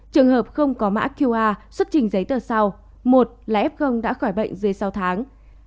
trường hợp không có mã qr xuất trình giấy tờ sau một là f đã khỏi bệnh dưới sáu tháng